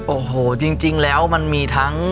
โอ้โหจริงแล้วมันมีทั้ง